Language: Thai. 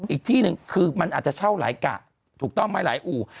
อีกที่หนึ่งคือมันอาจจะเช่าหลายกะถูกต้องไหมหลายอู่